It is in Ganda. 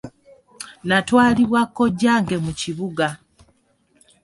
Natwalibwa kojjange mu kibuga.